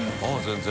「全然」